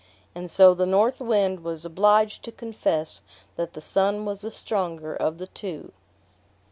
And so the North Wind was obliged to confess that the Sun was the stronger of the two.